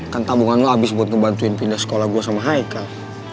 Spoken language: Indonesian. kan tabungan lo habis buat ngebantuin pindah sekolah gue sama haikal